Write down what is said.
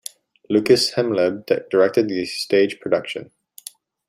Lukas Hemleb directed the stage production.